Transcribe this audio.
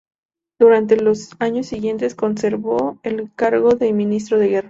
Durante los años siguientes conservó el cargo de Ministro de Guerra.